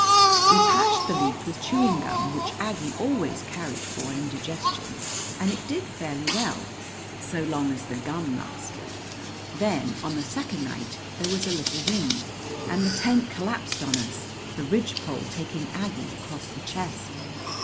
[We patched the leak with chewing gum, which Aggie always carried for indigestion; and it did fairly well, so long as the gum lasted.] Then, on the second night, there was a little wind, and the tent collapsed on us, the ridgepole taking Aggie across the chest.